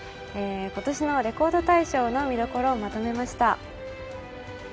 今年の「レコード大賞」の見どころをまとめました。